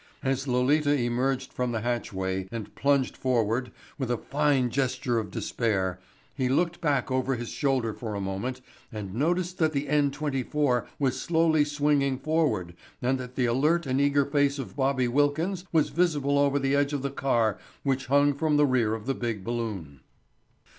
As Lolita emerged from the hatchway and plunged forward, with a fine gesture of despair, he looked back over his shoulder for a moment and noted that the N 24 was slowly swinging forward and that the alert and eager face of Bobby Wilkins was visible over the edge of the car which hung from the rear of the big balloon.